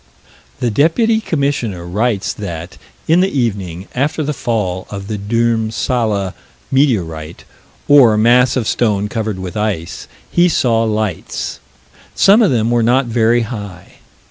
The Deputy Commissioner writes that, in the evening, after the fall of the Dhurmsalla meteorite, or mass of stone covered with ice, he saw lights. Some of them were not very high.